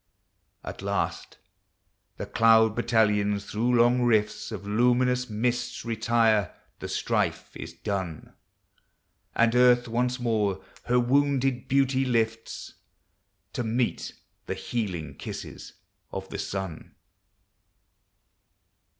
At last the cloud battalions through long rifts Of luminous mists retire :— the strife is done, And earth once more her wounded beauty lifts, To meet the healing kisses of the sun.